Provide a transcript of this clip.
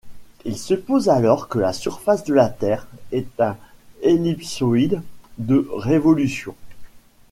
Il suppose alors que la surface de la Terre est un ellipsoïde de révolution.